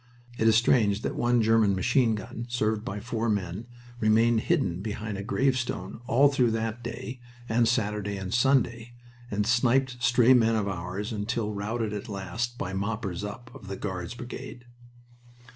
. It is strange that one German machine gun, served by four men, remained hidden behind a gravestone all through that day, and Saturday, and Sunday, and sniped stray men of ours until routed at last by moppers up of the Guards brigade.